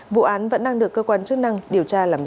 vụ án vẫn đang được cơ quan chức năng điều tra làm rõ